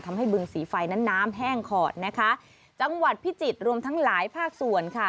บึงสีไฟนั้นน้ำแห้งขอดนะคะจังหวัดพิจิตรรวมทั้งหลายภาคส่วนค่ะ